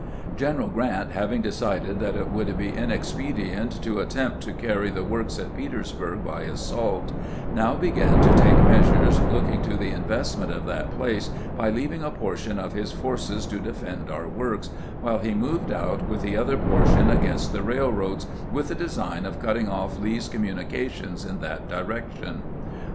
General Grant, having decided that it would be inex pedient to attempt to carry the works at Petersburg by assault, now began to take measures looking to the in vestment of that place by leaving a portion of his forces to defend our works, while he moved out with the other portion against the railroads, with the design of cutting off Lee's communications in that direction.